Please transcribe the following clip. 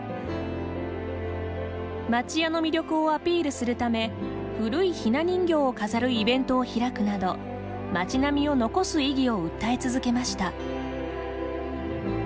町屋の魅力をアピールするため古いひな人形を飾るイベントを開くなど町並みを残す意義を訴え続けました。